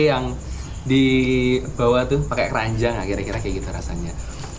yang dibawa tuh pakai keranjang kira kira kayak gitu rasanya